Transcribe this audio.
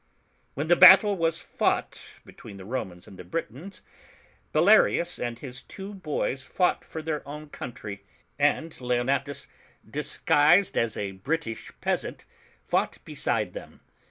When the battle was fought between the Romans and Britons, Bellarius and his two boys fought for their own country, and Leonatus, disguised as a British peasant, fought beside them.